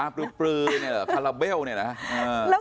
ตันปลื้มปลื้มเลยเดี๋ยวเราออกเวลา